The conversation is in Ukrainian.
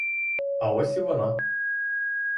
А ось і вона!